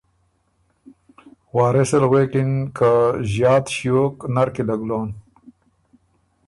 وارث ال غوېکِن که ݫات ݭیوک نر کی له ګلون